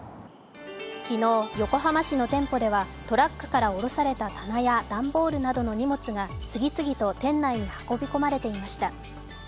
昨日、横浜市の店舗ではトラックから下ろされた棚や段ボールなどの荷物が次々と店内に運び込まれていました。